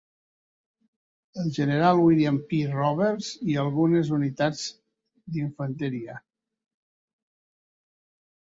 El General William P. Roberts i algunes unitats d'infanteria.